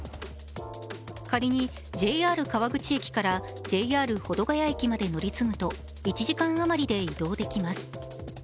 仮にＪＲ川口駅からＪＲ保土ケ谷駅まで乗り継ぐと１時間余りで移動できます。